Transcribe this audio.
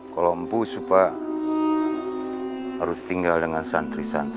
kalau empu supa harus tinggal dengan santri santri